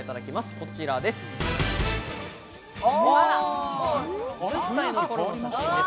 こちらです。